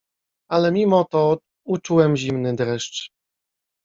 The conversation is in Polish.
Ale mimo to uczułem zimny dreszcz.